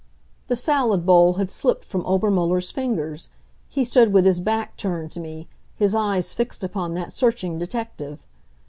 The salad bowl had slipped from Obermuller's fingers. He stood with his back turned to me, his eyes fixed upon that searching detective.